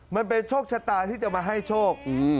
มันเป็นโชคชะตาที่จะมาให้โชค